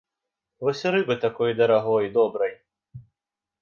Вось рыбы такой дарагой добрай.